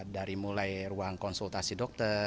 dari mulai ruang konsultasi dokter